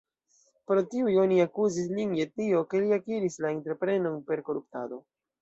Pro tiuj oni akuzis lin je tio, ke li akiris la entreprenon per koruptado.